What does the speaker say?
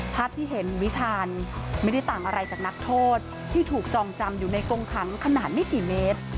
ภาพที่เห็นวิชาญไม่ได้ต่างอะไรจากนักโทษที่ถูกจองจำอยู่ในกงขังขนาดไม่กี่เมตร